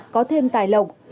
có thêm tài lộng